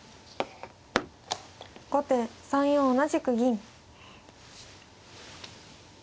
後手３四同じく銀。